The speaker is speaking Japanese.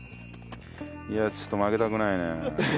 いやちょっと負けたくないな。